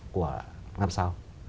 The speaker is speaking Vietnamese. của năm sau